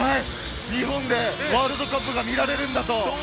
日本でワールドカップが見られるんだと。